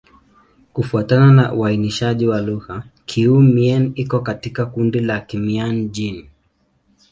Kufuatana na uainishaji wa lugha, Kiiu-Mien iko katika kundi la Kimian-Jin.